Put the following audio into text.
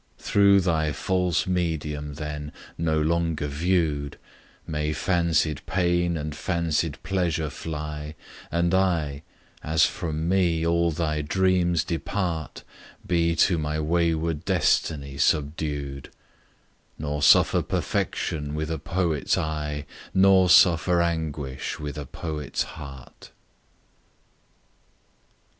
Through thy false medium, then, no longer view'd, May fancied pain and fancied pleasure fly, And I, as from me all thy dreams depart, Be to my wayward destiny subdued: Nor suffer perfection with a poet's eye, Nor suffer anguish with a poet's heart!